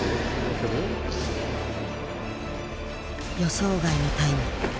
予想外のタイム。